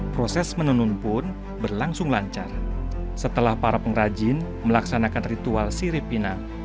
proses menenun pun berlangsung lancar setelah para pengrajin melaksanakan ritual sirip pinang